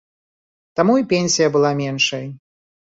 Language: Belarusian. Таму і пенсія была меншай.